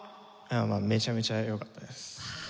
めちゃめちゃ良かったです。